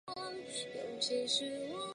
监制为岑国荣。